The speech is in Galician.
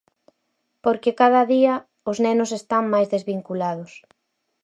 Porque cada día os nenos están máis desvinculados.